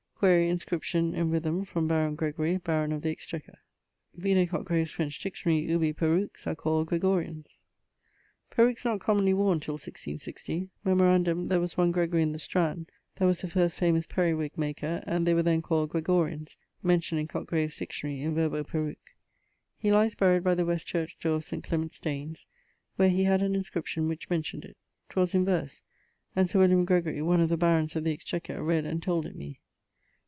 Quaere inscription in rythme from baron Gregory, baron of the exchequer. Vide Cotgrave's french dictionary ubi peruqes are called Gregorians. Peruques not commonly worne till 1660. Memorandum there was one Gregorie in the Strand that was the first famous periwig maker; and they were then called Gregorians (mentioned in Cotgrave's Dictionarie in verbo perruque). He lies buried by the west church dore of St. Clements Danes, where he had an inscription which mentioned it. 'Twas in verse and Sir William Gregorie (one of the Barons of the Exchequer) read and told it me.